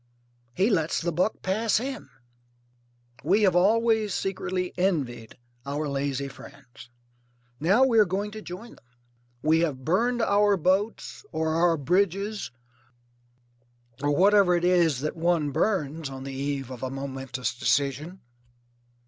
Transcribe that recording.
He lets the buck pass him. We have always secretly envied our lazy friends. Now we are going to join them. We have burned our boats or our bridges or whatever it is that one burns on the eve of a momentous decision.